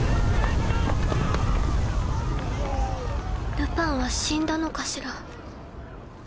ルパンは死んだのかしら。